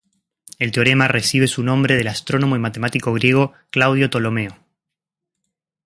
El teorema recibe su nombre del astrónomo y matemático griego Claudio Ptolomeo.